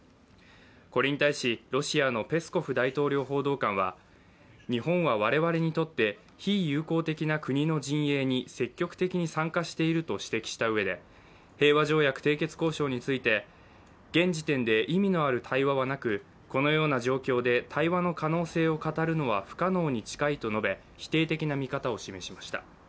これに対し、ロシアのペスコフ大統領報道官は日本は我々にとって非友好的な国の陣営に積極的に参加していると指摘したうえで平和条約締結交渉について現時点で意味のある対話はなくこのような状況で対話の可能性を語るのは可能に近いと述べ否定的な見方を示しました。